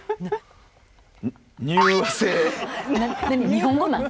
日本語なん？